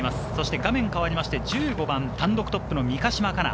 画面は変わって１５番、単独トップの三ヶ島かな。